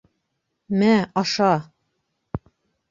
— Мә, аша!